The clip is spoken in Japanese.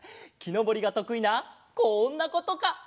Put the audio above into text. きのぼりがとくいなこんなことか！